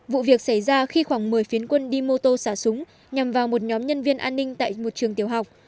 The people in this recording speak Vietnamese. vụ việc xảy ra khi khoảng một mươi phiến quân đi mô tô xả súng nhằm vào một nhóm nhân viên an ninh tại một trường tiểu học